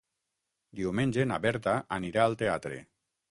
Diumenge na Berta anirà al teatre.